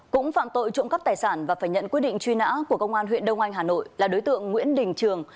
cũng phạm tội trộm cắp tài sản và phải nhận quyết định truy nã của công an huyện đông anh hà nội là đối tượng nguyễn đình trường